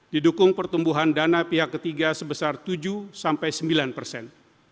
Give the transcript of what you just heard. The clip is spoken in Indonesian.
didukung pertumbuhan dana pihak ketiga sebesar tujuh sampai sembilan persen